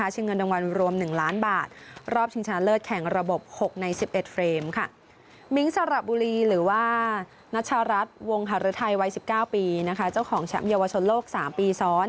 ชิงเงินดังวัลรวม๑ล้านบาท